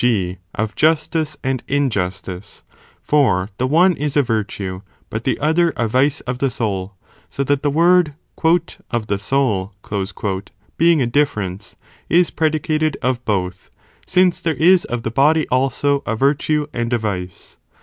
g. of justice and injustice,' for the one is a virtue, but the other a vice of the soul, so that the word "οὗ the soul," being a difference, is predicated of both, since there is of the body also, a virtue and a vice.